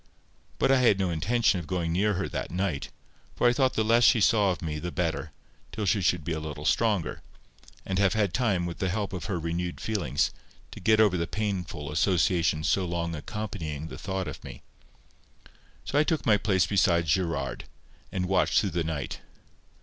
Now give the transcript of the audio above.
But I had no intention of going near her that night, for I thought the less she saw of me the better, till she should be a little stronger, and have had time, with the help of her renewed feelings, to get over the painful associations so long accompanying the thought of me. So I took my place beside Gerard, and watched through the night.